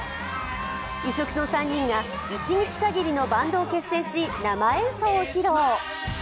異色の３人が、一日限りのバンドを結成し、生演奏を披露。